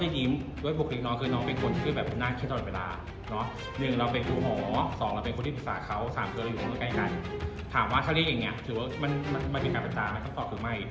ถามว่าคล้ายอย่างเงี้ยถือว่ามันไกลเป็นตามตามตอบคือไม่